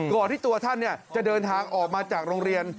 ก่อนที่ตัวท่านเนี่ยจะเดินทางออกมาจากโรงเรียน